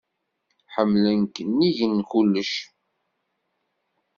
Ḥemmlen-k nnig n kulec.